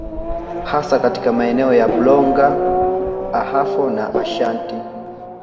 Hasa katika maeneo ya Bronga Ahafo na Ashant